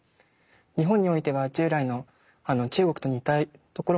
日本においては従来の中国と似たところもあるのか